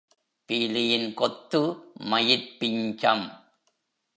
பீலியின் கொத்து மயிற் பிஞ்சம்.